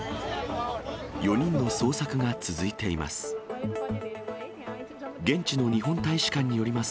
４人の捜索が続いています。